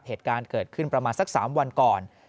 เหตุการณ์เกิดขึ้นประมาณสัก๓วันก่อน